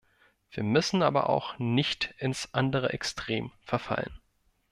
Wir müssen aber auch nicht ins andere Extrem verfallen.